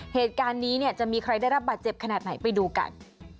เหตุการณ์นี้เนี่ยจะมีใครได้รับบาดเจ็บขนาดไหนไปดูกัน